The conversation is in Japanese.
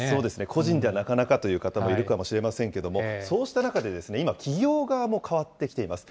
個人ではなかなかという方もいるかもしれませんけれども、そうした中で、今、企業側も変わってきています。